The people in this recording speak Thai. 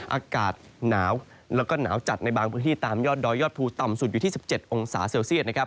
อากาศหนาวและนาวจัดในบางพื้นที่ตามยอดดออดพูดต่ำสุดอยู่ที่๑๗องศาเซลเซียส